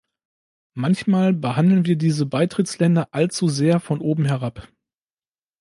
Manchmal behandeln wir diese Beitrittsländer allzu sehr von oben herab.